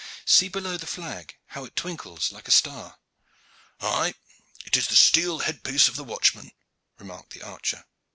See below the flag, how it twinkles like a star!" "Aye, it is the steel head piece of the watchman," remarked the archer.